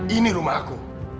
ini rumah aku